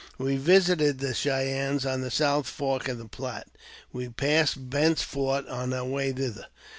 We visited the Cheyennes on the South Fork of the Platte. We passed Bent's fort on our way thither.